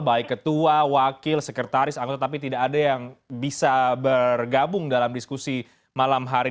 baik ketua wakil sekretaris anggota tapi tidak ada yang bisa bergabung dalam diskusi malam hari